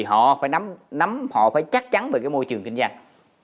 họ phải nắm nắm họ phải chắc chắn bởi cái môi trường kinh doanh